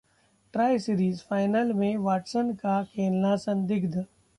try series final में Watson का खेलना संदिग्ध